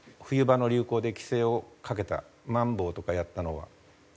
冬場の流行で規制をかけたまん防とかやったのは。